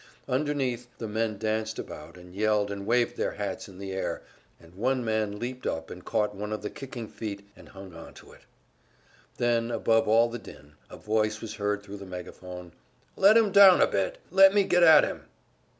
Underneath, men danced about and yelled and waved their hats in the air, and one man leaped up and caught one of the kicking feet and hung onto it. Then, above all the din, a voice was heard thru the megaphone, "Let him down a bit! Let me get at him!"